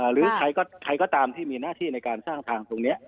หรือใครก็ตามที่มีหน้าที่ในการสร้างทางตรงนี้